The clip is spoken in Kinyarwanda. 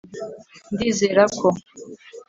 Ndizera ko